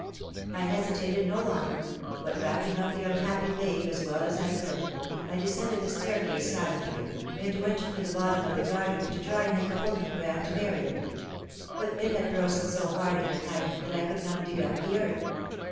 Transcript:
I hesitated no longer, but, wrapping up the unhappy babe as well as I could, I descended the staircase silently, and went to the bottom of the garden to try and make a hole in the ground to bury it; but it had frozen so hard in the night that I could not dig up the earth.